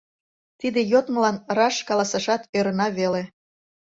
Тиде йодмылан раш каласашат ӧрына веле.